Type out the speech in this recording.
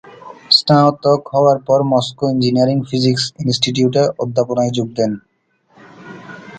স্নাতক হওয়ার পর মস্কো ইঞ্জিনিয়ারিং ফিজিক্স ইনস্টিটিউটে অধ্যাপনায় যোগ দেন।